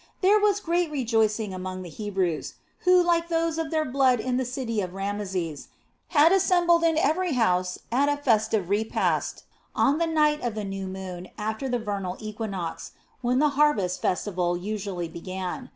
There was great rejoicing among the Hebrews, who like those of their blood in the city of Rameses, had assembled in every house at a festive repast on the night of the new moon after the vernal equinox when the harvest festival usually began.